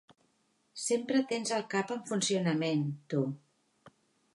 Sempre tens el cap en funcionament, tu.